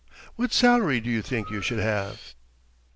What salary do you think you should have?"